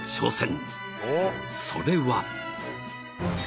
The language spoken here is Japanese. ［それは］